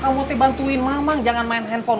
kamu bisa bantu mamang jangan main handphone